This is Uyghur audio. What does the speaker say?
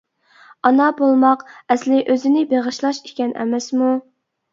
ئانا بولماق، ئەسلى ئۆزىنى بېغىشلاش ئىكەن ئەمەسمۇ!